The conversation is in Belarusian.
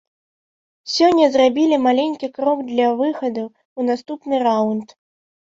Сёння зрабілі маленькі крок для выхаду ў наступны раўнд.